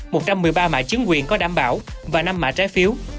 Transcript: một trăm một mươi ba mạng chiến quyền có đảm bảo và năm mạng trái phiếu